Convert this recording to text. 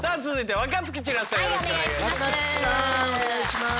はいお願いします。